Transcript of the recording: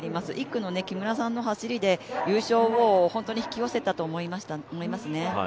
１区の木村さんの走りで優勝を引き寄せたと思いますね。